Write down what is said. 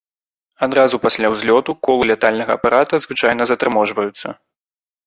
Адразу пасля ўзлёту колы лятальнага апарата звычайна затарможваюцца.